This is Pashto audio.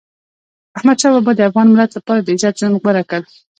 احمدشاه بابا د افغان ملت لپاره د عزت ژوند غوره کړ.